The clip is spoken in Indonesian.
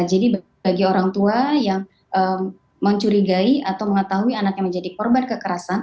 jadi bagi orang tua yang mencurigai atau mengetahui anaknya menjadi korban kekerasan